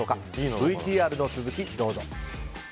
ＶＴＲの続きどうぞ。